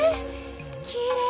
きれい！